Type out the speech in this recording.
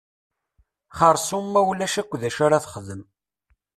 Xersum ma ulac akk d acu ara texdem.